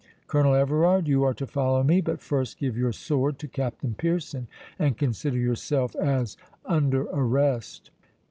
—Colonel Everard, you are to follow me; but first give your sword to Captain Pearson, and consider yourself as under arrest."